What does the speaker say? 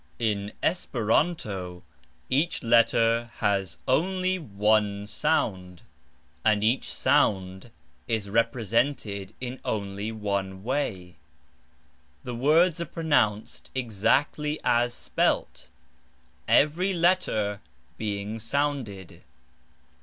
In Esperanto each letter has only one sound, and each sound is represented in only one way. The words are pronounced exactly as spelt, every letter being sounded.